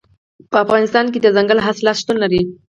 په افغانستان کې دځنګل حاصلات شتون لري.